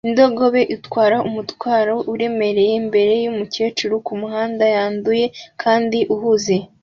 Indogobe itwara umutwaro uremereye imbere yumukecuru kumuhanda wanduye kandi uhuze